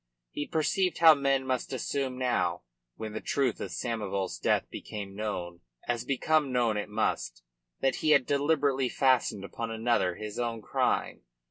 He perceived how men must assume now, when the truth of Samoval's death became known as become known it must that he had deliberately fastened upon another his own crime.